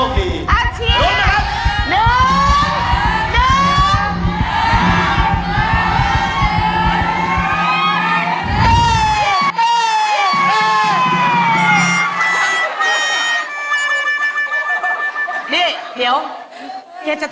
ตื่นนะ